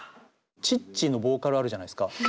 チッチのボーカルあるじゃないですか。